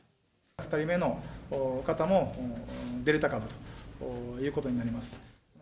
２人目の方もデルタ株ということになります。